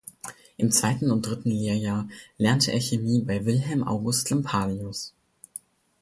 Im zweiten und dritten Lehrjahr lernte er Chemie bei Wilhelm August Lampadius.